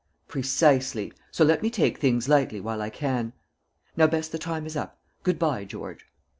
"Precisely. So let me take things lightly, while I can. Now, Bess, the time is up. Good bye, George."